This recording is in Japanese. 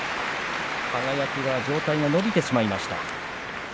輝は上体が伸びてしまいました。